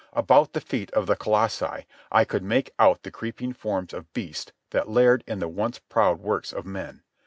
About the feet of the colossi I could make out the creeping forms of beasts that laired in the once proud works of men.